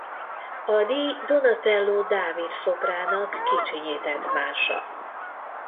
A díj Donatello Dávid szobrának kicsinyített mása.